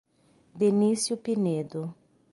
Benicio Pinedo